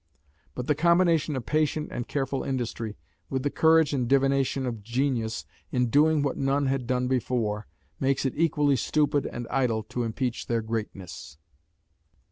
But the combination of patient and careful industry, with the courage and divination of genius, in doing what none had done before, makes it equally stupid and idle to impeach their greatness.